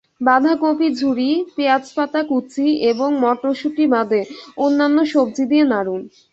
বাঁধাকপি ঝুরি, পেঁয়াজ পাতা কুচি এবং মটরশুঁটি বাদে অন্যান্য সবজি দিয়ে নাড়ুন।